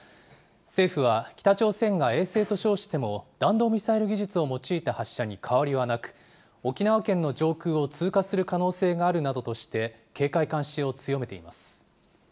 政府は、北朝鮮が衛星と称しても弾道ミサイル技術を用いた発射に変わりはなく、沖縄県の上空を通過する可能性があるなどとして、警戒監視を強めています。